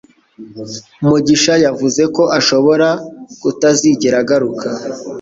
Mugisha yavuze ko ashobora kutazigera agaruka.